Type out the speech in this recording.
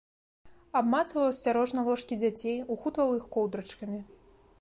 Абмацваў асцярожна ложкі дзяцей, ухутваў іх коўдрачкамі.